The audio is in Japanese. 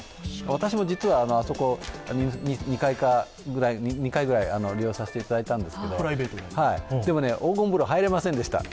私も実はあそこに２回ぐらい利用させていただいたんですけど、でもね、黄金風呂、入れませんでした。